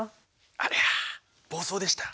ありゃ暴走でした。